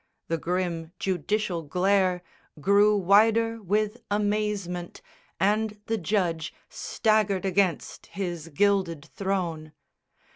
The grim judicial glare Grew wider with amazement, and the judge Staggered against his gilded throne.